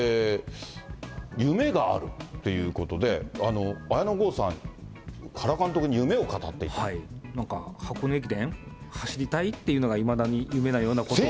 夢があるっていうことで、綾野剛さん、なんか、箱根駅伝走りたいっていうのがいまだに夢のようなことを。